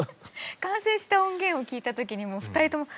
完成した音源を聴いた時に２人とも。